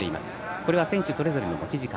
これは選手それぞれの持ち時間。